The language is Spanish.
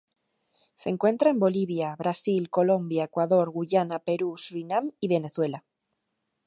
Se encuentra en Bolivia, Brasil, Colombia, Ecuador, Guyana, Perú, Surinam y Venezuela.